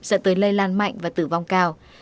dẫn tới lây lan mạnh và tử vong cao